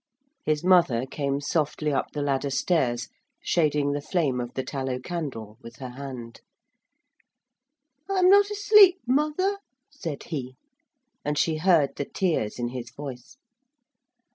His mother came softly up the ladder stairs shading the flame of the tallow candle with her hand. 'I'm not asleep, mother,' said he. And she heard the tears in his voice.